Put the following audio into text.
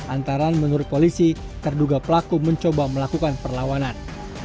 antara menurut polisi terduga pelaku mencoba melakukan perlawanan